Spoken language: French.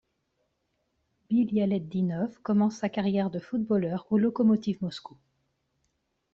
Bilialetdinov commence sa carrière de footballeur au Lokomotiv Moscou.